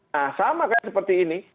nah sama kayak seperti ini